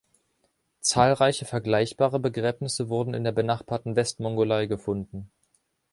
Zahlreiche vergleichbare Begräbnisse wurden in der benachbarten Westmongolei gefunden.